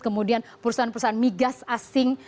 kemudian perusahaan perusahaan migas asing